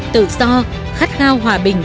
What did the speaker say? tự do khát khao hòa bình